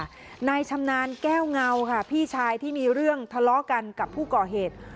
นายชำนาญแก้วเงาค่ะพี่ชายที่มีเรื่องทะเลาะกันกับผู้ก่อเหตุ